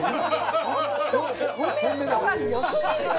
本当、コメントが良すぎるよ！